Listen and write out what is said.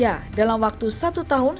ya dalam waktu satu tahun